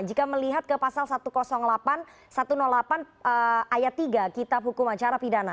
jika melihat ke pasal satu ratus delapan ayat tiga kitab hukuman cara pidana